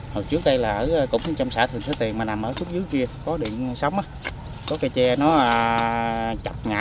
hồi trước đây là ở trong xã thường sở tiền mà nằm ở phút dưới kia có điện sống có cây tre nó chặt ngã